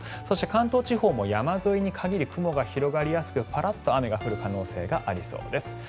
そして、関東地方も山沿いに限り雲が広がりやすくパラッと雨が降る可能性がありそうです。